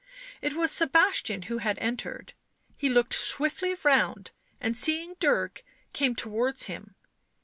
It was Sebastian who had entered ; he looked swiftly round, and seeing Dirk, came towards him.